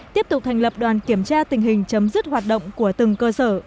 tiếp tục thành lập đoàn kiểm tra tình hình chấm dứt hoạt động của từng cơ sở